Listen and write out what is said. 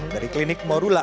dari klinik morula ivm